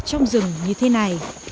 trong rừng như thế này